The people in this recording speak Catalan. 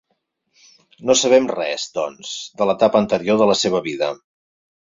No sabem res, doncs, de l’etapa anterior de la seva vida.